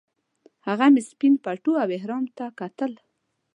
هغه مې سپین پټو او احرام ته کتل.